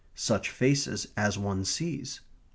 Such faces as one sees.